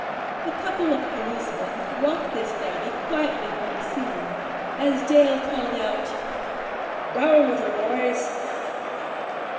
A couple of policemen walked this navvy quietly from the scene, as Dale called out: "Down with her, boys!"